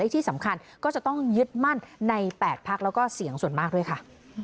ที่สำคัญก็จะต้องยึดมั่นใน๘พักแล้วก็เสียงส่วนมากด้วยค่ะ